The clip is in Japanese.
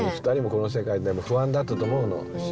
２人もこの世界不安だったと思うの。